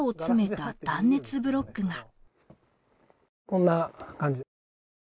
こんな感じ。